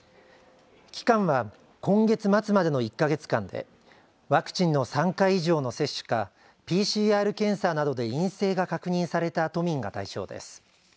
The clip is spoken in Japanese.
期間は今月末までの１か月間でワクチンの３回以上の接種かＰＣＲ検査などで陰性が確認された都民が対象です。